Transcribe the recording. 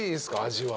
味は。